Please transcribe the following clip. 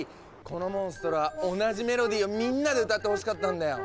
このモンストロは同じメロディーをみんなで歌ってほしかったんだよ。